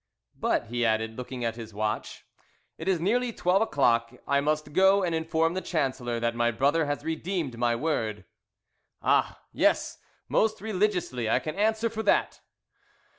"But," he added, looking at his watch, "it is nearly twelve o'clock; I must go and inform the Chancellor that my brother has redeemed my word." "Ah, yes, most religiously, I can answer for that."